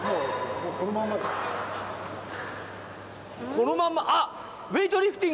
このまんまあっ！